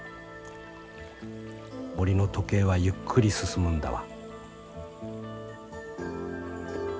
森の時計はゆっくり進むんだわ』」。